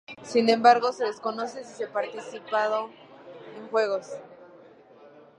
Sin embargo, se desconoce si se participado en juegos.